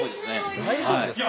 大丈夫です。